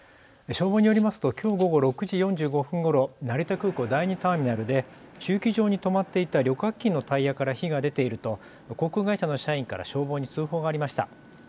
消防によりますときょう午後６時４５分ごろ成田空港第２ターミナルで駐機場に止まっていた旅客機のタイヤから火が出ていると航空会社の社員から消防に通報がありました。